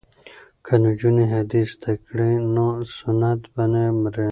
که نجونې حدیث زده کړي نو سنت به نه مري.